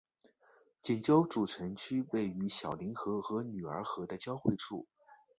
锦州主城区位于小凌河和女儿河的交汇处。